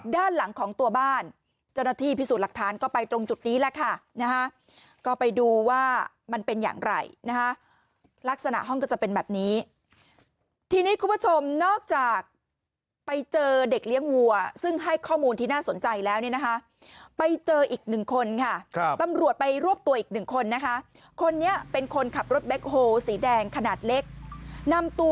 ด้านหลังของตัวบ้านเจ้าหน้าที่พิสูจน์หลักฐานก็ไปตรงจุดนี้แหละค่ะนะฮะก็ไปดูว่ามันเป็นอย่างไรนะฮะลักษณะห้องก็จะเป็นแบบนี้ทีนี้คุณผู้ชมนอกจากไปเจอเด็กเลี้ยงวัวซึ่งให้ข้อมูลที่น่าสนใจแล้วเนี่ยนะคะไปเจออีกหนึ่งคนค่ะครับตำรวจไปรวบตัวอีกหนึ่งคนนะคะคนนี้เป็นคนขับรถแบ็คโฮสีแดงขนาดเล็กนำตัว